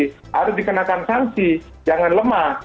harus dikenakan sanksi jangan lemah